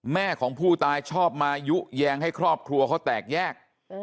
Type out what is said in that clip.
แม่ของผู้ตายชอบมายุแยงให้ครอบครัวเขาแตกแยก